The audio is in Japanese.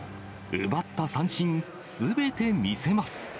奪った三振すべて見せます。